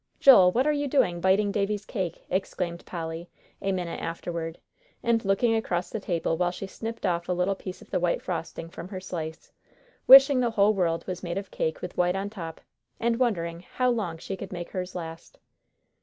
"Joel, what are you doing, biting Davie's cake!" exclaimed Polly, a minute afterward, and looking across the table while she snipped off a little piece of the white frosting from her slice, wishing the whole world was made of cake with white on top, and wondering how long she could make hers last.